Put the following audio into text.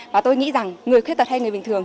và tôi nghĩ rằng người khuyết tật hay người bình thường